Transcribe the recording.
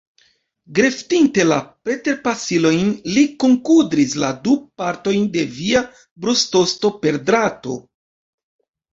Greftinte la preterpasilojn, li kunkudris la du partojn de via brustosto per drato.